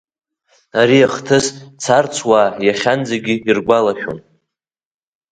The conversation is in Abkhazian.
Ари ахҭыс царцуаа иахьанӡагьы иргәалашәон.